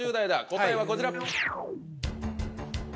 答えはこちら。